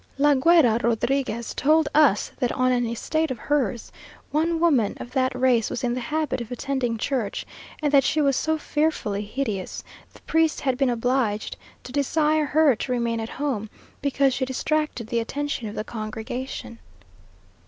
La Güera Rodriguez told us that on an estate of hers, one woman of that race was in the habit of attending church, and that she was so fearfully hideous, the priest had been obliged to desire her to remain at home, because she distracted the attention of the congregation!